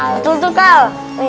betul tuh kal